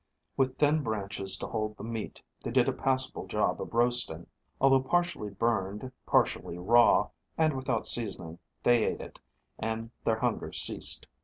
With thin branches to hold the meat, they did a passable job of roasting. Although partially burned, partially raw, and without seasoning, they ate it, and their hunger ceased.